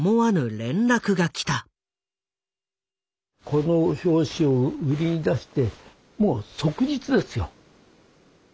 この表紙を売りに出してもう即日ですよ。